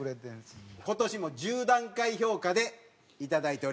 今年も１０段階評価でいただいております。